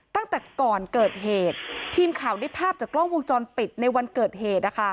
ตั้งแต่ก่อนเกิดเหตุทีมข่าวได้ภาพจากกล้องวงจรปิดในวันเกิดเหตุ